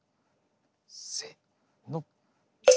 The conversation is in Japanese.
せの。